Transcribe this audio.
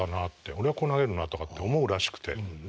俺はこう投げるなとかって思うらしくて。